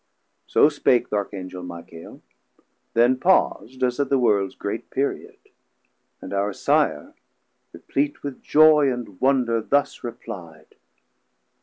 So spake th' Archangel Michael, then paus'd, As at the Worlds great period; and our Sire Replete with joy and wonder thus repli'd.